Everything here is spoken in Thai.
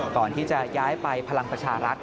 ก่อนที่จะย้ายไปพลังประชารัฐ